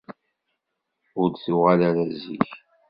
ur d-tuɣal ara zik.